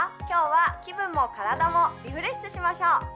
今日は気分も体もリフレッシュしましょう！